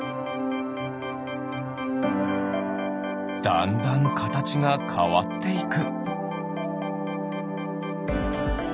だんだんかたちがかわっていく。